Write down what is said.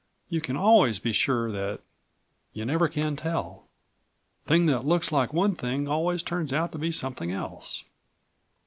You can always be sure that you never can tell. Thing that looks like one thing always turns out to be something else.